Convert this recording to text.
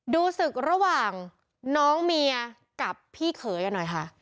ดูศึกระหว่างน้องเมียกับพี่เขยกันหน่อยค่ะ